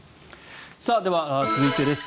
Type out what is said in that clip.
では、続いてです。